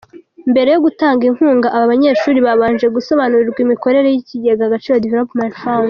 Mbere yo gutanga inkunga, aba banyeshuri babanje gusobanurirwa imikorere y’ikigega Agaciro Development Fund.